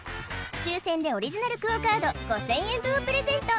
抽選でオリジナルＱＵＯカード５０００円分をプレゼント